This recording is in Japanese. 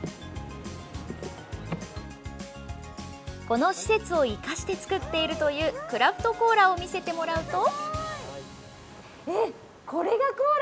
この施設を生かして作っているというクラフトコーラを見せてもらうと。